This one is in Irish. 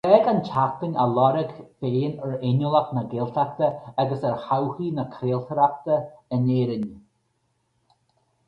D'fhág an tseachtain a lorg féin ar fhéiniúlacht na Gaeltachta agus ar thodhchaí na craoltóireachta in Éirinn.